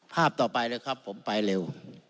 ภาพต่อไปเลยครับผมไปเร็ว